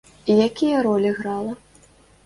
І якія ролі грала?